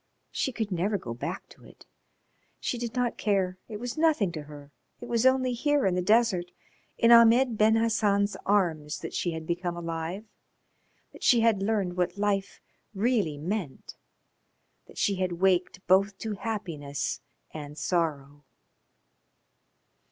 She could never go back to it. She did not care. It was nothing to her. It was only here in the desert, in Ahmed Ben Hassan's arms, that she had become alive, that she had learned what life really meant, that she had waked both to happiness and sorrow.